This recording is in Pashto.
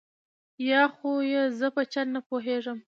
یا خو یې زه په چل نه پوهېږم.